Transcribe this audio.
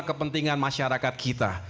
kepentingan masyarakat kita